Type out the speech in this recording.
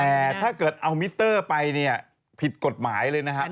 แต่ถ้าเกิดเอามิเตอร์ไปเนี่ยผิดกฎหมายเลยนะครับ